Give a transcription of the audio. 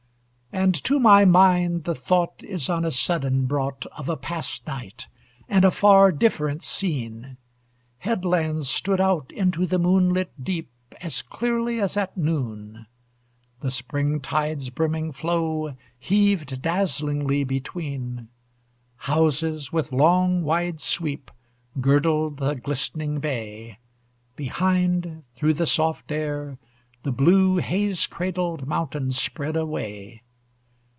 And to my mind the thought Is on a sudden brought Of a past night, and a far different scene: Headlands stood out into the moonlit deep As clearly as at noon; The spring tide's brimming flow Heaved dazzlingly between; Houses, with long wide sweep, Girdled the glistening bay; Behind, through the soft air, The blue haze cradled mountains spread away.